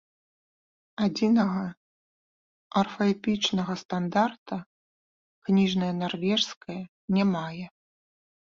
Адзінага арфаэпічнага стандарта кніжная нарвежская не мае.